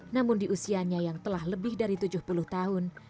namun di usianya yang telah lebih dari tujuh puluh tahun